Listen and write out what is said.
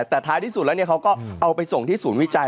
แต่ท้ายที่สุดแล้วเขาก็เอาไปส่งที่ศูนย์วิจัย